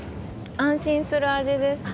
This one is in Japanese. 安心する味です。